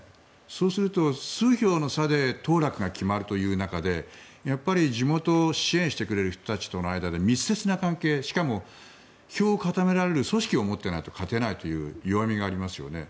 そうすると数票の差で当落が決まるという中で地元、支援してくれる人の中で密接な関係しかも票を固められる組織を持っていないと勝てないという弱みがありますよね。